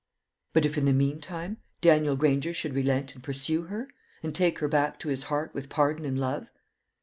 But if in the meantime Daniel Granger should relent and pursue her, and take her back to his heart with pardon and love?